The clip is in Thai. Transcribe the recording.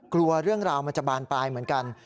กลัวเรื่องราวมันจะบานปลายเหมือนกัน